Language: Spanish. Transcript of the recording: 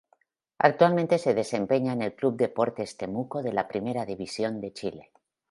Actualmente se desempeña en el club Deportes Temuco de la Primera División de Chile.